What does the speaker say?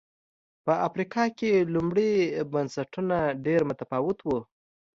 په افریقا کې لومړي بنسټونه ډېر متفاوت و